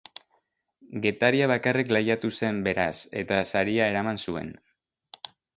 Getaria bakarrik lehiatu zen, beraz, eta saria eraman zuen.